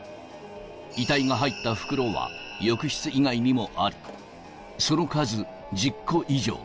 遺体が入った袋は、浴室以外にもあり、その数１０個以上。